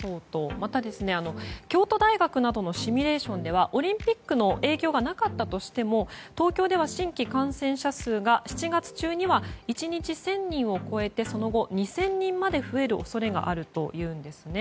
また、京都大学などのシミュレーションではオリンピックの影響がなかったとしても東京の新規感染者数が７月中には１日１０００人を超えてその後２０００人まで増える恐れがあるというんですね。